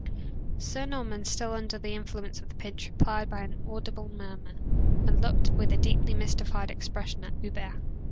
Sir Norman, still under the influence of the pinch, replied by an inaudible murmur, and looked with a deeply mystified expression, at Hubert.